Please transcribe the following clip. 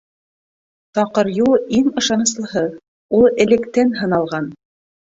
Таҡыр юл — иң ышаныслыһы, ул электән һыналған.